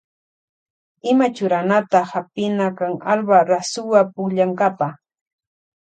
Ima churanata hapina kan Alba rasuwa pukllankapa.